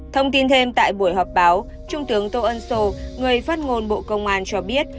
thông tin thêm tại buổi họp báo trung tướng tô ân sô người phát ngôn bộ công an cho biết